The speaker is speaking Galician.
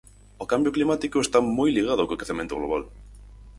O cambio climático está moi ligado co quecemento global.